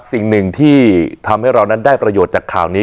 สิ่งหนึ่งที่ทำให้เรานั้นได้ประโยชน์จากข่าวนี้